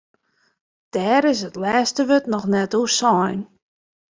Dêr is it lêste wurd noch net oer sein.